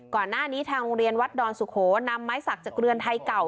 ก่อนหน้านี้ทางโรงเรียนวัดดอนสุโขนำไม้สักจากเรือนไทยเก่า